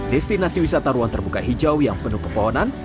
destinasi wisatawan terbuka hijau yang penuh pepohonan